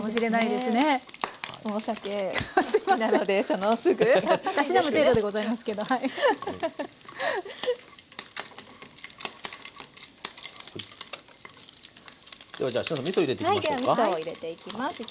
ではじゃあみそ入れていきましょうか。